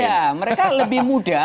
sehingga mereka lebih mudah